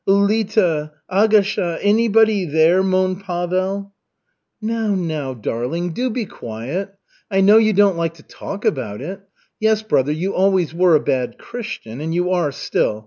Ulita, Agasha! Anybody here?" moaned Pavel. "Now, now, darling, do be quiet. I know you don't like to talk about it. Yes, brother, you always were a bad Christian and you are still.